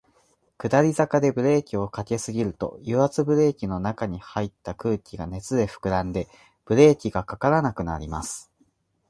下り坂でブレーキを掛けすぎると、油圧ブレーキの中に入った空気が熱で膨らんで、ブレーキが掛からなくなります。